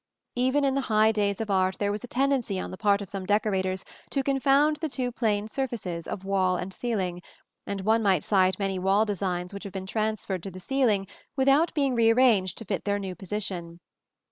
Even in the high days of art there was a tendency on the part of some decorators to confound the two plane surfaces of wall and ceiling, and one might cite many wall designs which have been transferred to the ceiling without being rearranged to fit their new position.